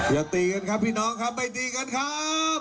อย่าตีกันครับพี่น้องครับไม่ตีกันครับ